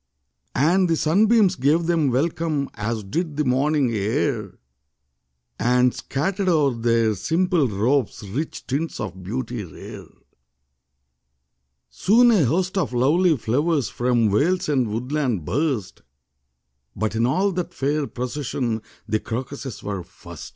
And the sunbeams gave them welcome. As did the morning air And scattered o'er their simple robes Rich tints of beauty rare. Soon a host of lovely flowers From vales and woodland burst; But in all that fair procession The crocuses were first.